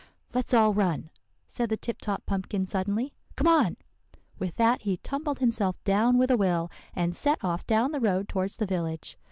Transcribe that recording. "'Let's all run,' said the Tip Top Pumpkin suddenly. 'Come on.' With that he tumbled himself down with a will, and set off down the road towards the village.